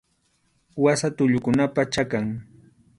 Wasa tullukunapa chakan.